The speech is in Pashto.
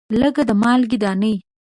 لګه د مالګې دانې